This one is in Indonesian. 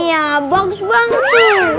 iya bagus banget tuh